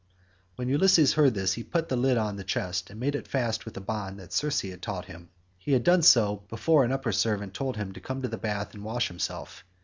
72 When Ulysses heard this he put the lid on the chest and made it fast with a bond that Circe had taught him. He had done so before an upper servant told him to come to the bath and wash himself.